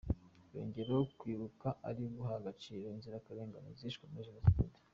Yongeyeho kwibuka ari uguha agaciro inzirakarengane zishwe muri Jenoside.